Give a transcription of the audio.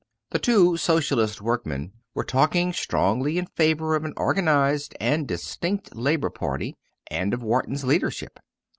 The two Socialist workmen were talking strongly in favour of an organised and distinct Labour party, and of Wharton's leadership.